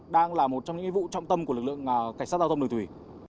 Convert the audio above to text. đang là một trong những vụ trọng tâm của lực lượng cảnh sát giao thông đường thủy